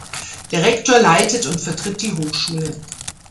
Der Rektor leitet und vertritt die Hochschule.